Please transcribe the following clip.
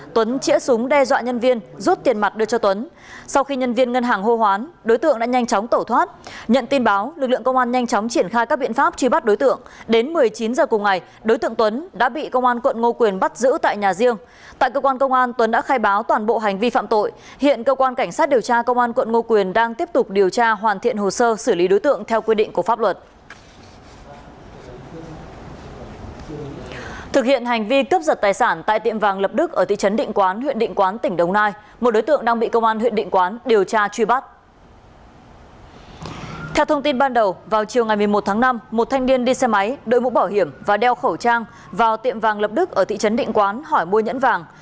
một mươi một tháng năm một thanh niên đi xe máy đợi mũ bảo hiểm và đeo khẩu trang vào tiệm vàng lập đức ở thị trấn định quán hỏi mua nhẫn vàng